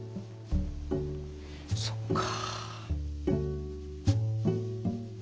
そっか。